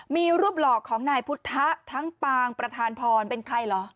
มีรูปหลอกของนายพุทธะทั้งปางประธานพรเป็นใครเหรอ